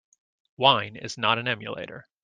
Wine is not an emulator.